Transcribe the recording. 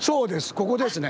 ここですね。